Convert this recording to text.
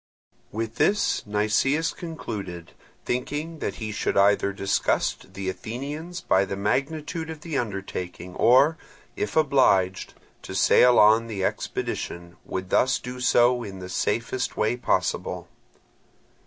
With this Nicias concluded, thinking that he should either disgust the Athenians by the magnitude of the undertaking, or, if obliged to sail on the expedition, would thus do so in the safest way possible.